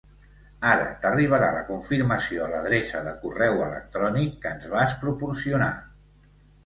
Ara t'arribarà la confirmació a l'adreça de correu electrònic que ens vas proporcionar.